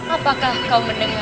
apakah kau mendengar